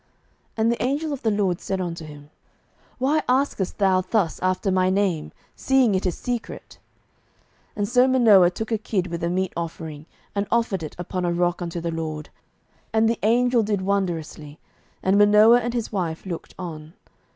07:013:018 And the angel of the LORD said unto him, Why askest thou thus after my name, seeing it is secret? 07:013:019 So Manoah took a kid with a meat offering, and offered it upon a rock unto the LORD: and the angel did wonderously; and Manoah and his wife looked on.